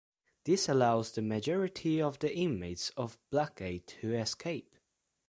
This allows the majority of the inmates of Blackgate to escape.